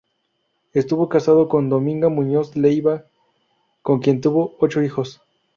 Estuvo casado con Dominga Muñoz Leiva, con quien tuvo ocho hijos.